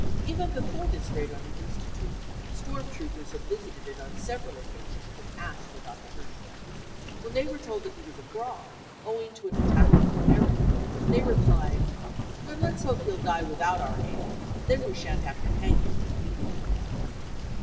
Even before this raid on the Institute storm troopers had visited it on several occasions and asked for Dr. Hirschfeld. When they were told that he was abroad, owing to an attack of malaria, they replied : e Then let's hope he'll die with out our aid : then we shan't have to hang him or beat him to death.